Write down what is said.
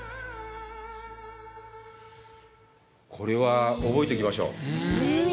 これは覚えておきましょう。